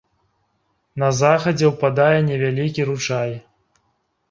На захадзе ўпадае невялікі ручай.